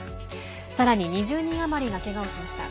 さらに２０人余りがけがをしました。